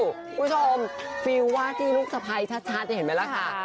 คุณผู้ชมฟิลว่าที่ลูกสะพ้ายชัดเห็นไหมล่ะค่ะ